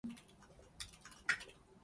它是西半球最大的科学博物馆。